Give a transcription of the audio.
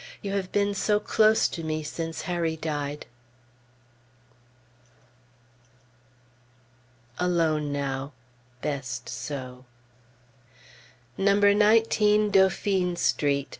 You have been so close to me since Harry died! Alone now; best so. NO. 19 DAUPHINE ST.